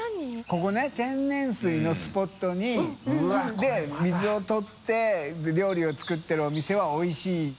ここね天然水のスポットで水を取ってで料理を作ってるお店はおいしい。